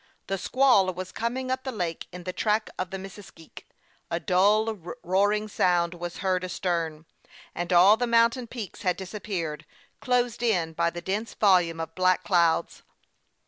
The squall was coming up the lake in the track of the Missisque ; a dull, roaring sound was heard astern ; and all the mountain peaks had disappeared, closed in by the dense volume of black clouds.